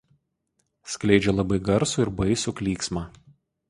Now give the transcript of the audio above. Skleidžia labai garsų ir baisų klyksmą.